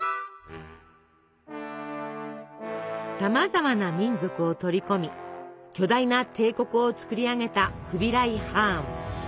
さまざまな民族を取り込み巨大な帝国をつくり上げたフビライ・ハーン。